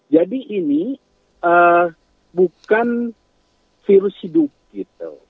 jadi ini bukan virus hidup gitu